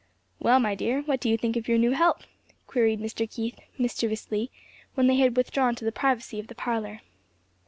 "Well, my dear, what do you think of your new help?" queried Mr. Keith, mischievously when they had withdrawn to the privacy of the parlor.